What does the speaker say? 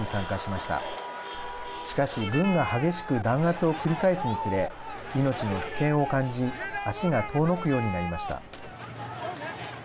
しかし、軍が激しく弾圧を繰り返すにつれ命の危険を感じ足が遠のくようになりました。